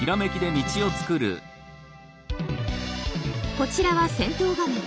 こちらは戦闘画面。